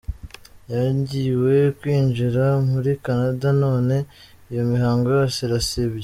Yangiwe kwinjira muri Canada none iyo mihango yose irasibye!